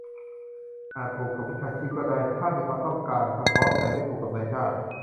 อาจผูกกับวิชาชีพก็ได้ ถ้ามีความต้องการเฉพาะ แต่ไม่ผูกกับนายจ้าง